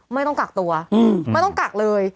ไม่ต้องกักตัวไม่ต้องกักเลย